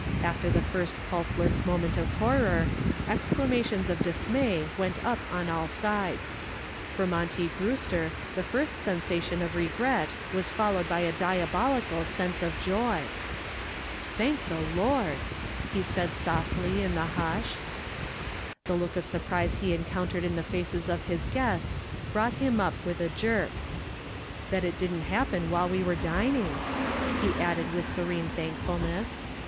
After the first pulseless moment of horror, exclamations of dismay went up on all sides. For Monty Brewster the first sensation of regret was followed by a diabolical sense of joy. "Thank the Lord!" he said softly in the hush. The look of surprise he encountered in the faces of his guests brought him up with a jerk. "That it didn't happen while we were dining," he added with serene thankfulness.